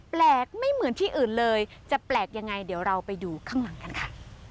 แปลกไม่เหมือนที่อื่นเลยจะแปลกยังไงเดี๋ยวเราไปดูข้างหลังกันค่ะ